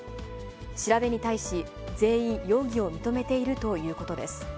調べに対し、全員、容疑を認めているということです。